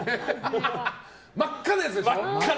真っ赤なやつでしょ？